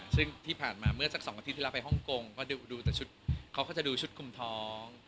ซึ่งที่ผ่านมาเมื่อสักสองสัปดาห์ที่เท่าไรไปฮ่องกงเขาก็จะดูชุดกลุ่มทอง